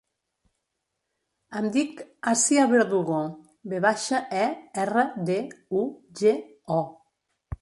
Em dic Assia Verdugo: ve baixa, e, erra, de, u, ge, o.